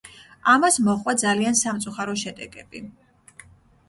ამას მოჰყვა ძალიან სამწუხარო შედეგები.